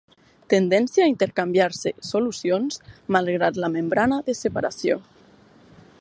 Tendència a intercanviar-se solucions, malgrat la membrana de separació.